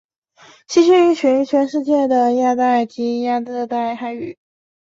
栖息于全世界的热带及亚热带海域。